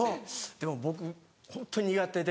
でも僕ホント苦手で。